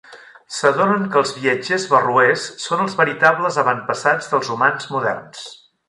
S'adonen que els viatgers barroers són els veritables avantpassats dels humans moderns.